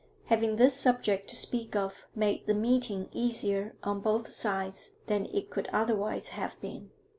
Having this subject to speak of made the meeting easier on both sides than it could otherwise have been.